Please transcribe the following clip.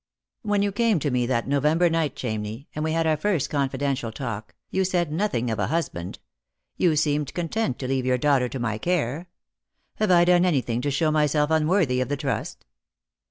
" When you came to me that November night, Chamney, and we had our first confidential talk, you said nothing of a husband; you seemed content to leave your daughter to my care. Have I done anything to show myself unworthy of the trust